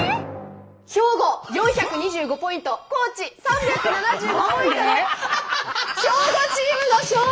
兵庫４２５ポイント高知３７５ポイントで兵庫チームの勝利！